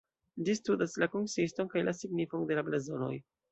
Ĝi studas la konsiston kaj la signifon de la blazonoj.